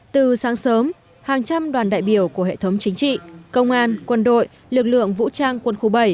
từ sáng sớm hàng trăm đoàn đại biểu của hệ thống chính trị công an quân đội lực lượng vũ trang quân khu bảy